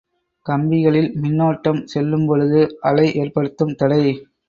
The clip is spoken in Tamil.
கம்பிகளில் மின்னோட்டம் செல்லும்பொழுது அலை ஏற்படுத்தும் தடை.